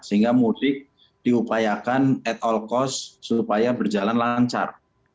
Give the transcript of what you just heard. sehingga mudik diupayakan at all cost supaya berjalan lancar